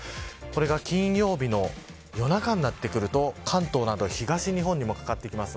金曜日の夜中になってくると関東など東日本にもかかってきます。